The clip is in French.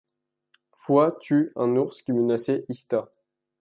Foix tue un ours qui menaçait Ista.